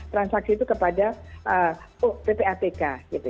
transaksi itu kepada ppatk